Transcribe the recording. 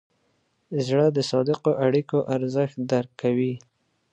زړه د صادقو اړیکو ارزښت درک کوي.